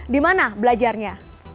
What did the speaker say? di mana belajarnya